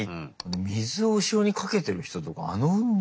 水を後ろにかけてる人とかあの運動